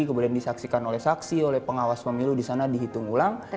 kemudian disaksikan oleh saksi oleh pengawas pemilu di sana dihitung ulang